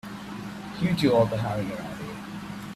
You do all the hiring around here.